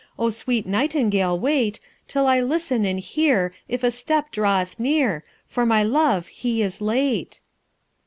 O sweet nightingale wait Till I listen and hear If a step draweth near, For my love he is late!"